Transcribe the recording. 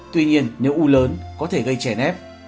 tuy nhiên nếu u lớn có thể gây trẻ nép